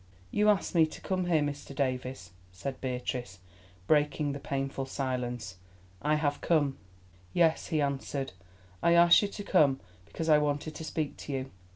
"You asked me to come here, Mr. Davies," said Beatrice, breaking the painful silence. "I have come." "Yes," he answered; "I asked you to come because I wanted to speak to you."